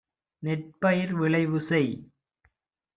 நெற்பயிர் விளைவு செய்.